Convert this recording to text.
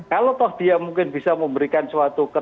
kalau toh dia mungkin bisa memberikan suatu keterangan